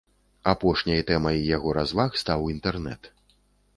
Апошняй тэмай яго разваг стаў інтэрнэт.